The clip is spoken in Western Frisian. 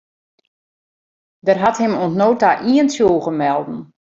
Der hat him oant no ta ien tsjûge melden.